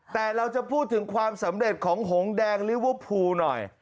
แต่เราจะพูดถึงความสำเร็จของหงแดงลิเวอร์พูลหน่อย